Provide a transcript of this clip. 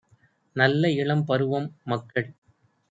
நல்ல இளம்பருவம் - மக்கள்